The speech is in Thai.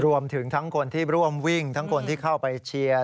รวมถึงทั้งคนที่ร่วมวิ่งทั้งคนที่เข้าไปเชียร์